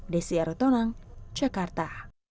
desi ertonang jakarta